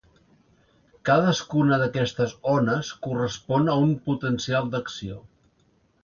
Cadascuna d'aquestes ones correspon a un potencial d'acció.